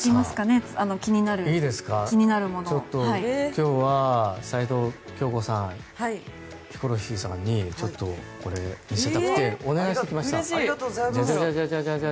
今日は齊藤京子さんとヒコロヒーさんにこれを見せたくてお願いしてきました。